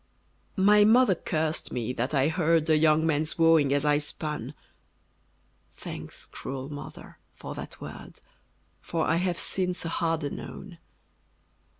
My mother cursed me that I heard A young man's wooing as I spun: Thanks, cruel mother, for that word, For I have, since, a harder known!